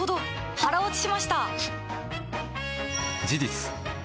腹落ちしました！